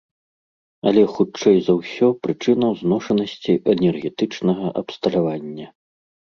Але хутчэй за ўсё прычына ў зношанасці энергетычнага абсталявання.